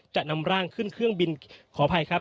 จะนำร่างขึ้นเครื่องบินขออภัยครับ